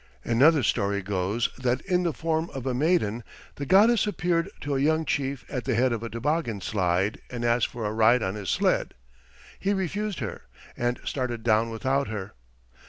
Another story goes that in the form of a maiden the goddess appeared to a young chief at the head of a toboggan slide and asked for a ride on his sled. He refused her, and started down without her.